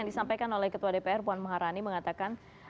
yang disampaikan oleh ketua dpr puan maharani mengatakan